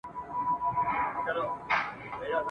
او خپل ملي بیرغ پورته کولای نه سي !.